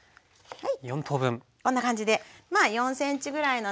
はい。